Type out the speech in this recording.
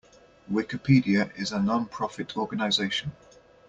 Wikipedia is a non-profit organization.